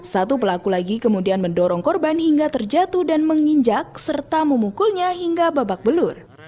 satu pelaku lagi kemudian mendorong korban hingga terjatuh dan menginjak serta memukulnya hingga babak belur